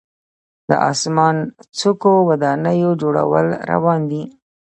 د اسمان څکو ودانیو جوړول روان دي.